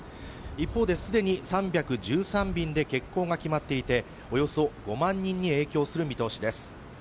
一方、既に３１３便で欠航が決まっていて、およそ５万人に影響する見通しです。